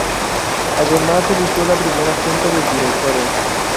Además se eligió la primera junta de directores.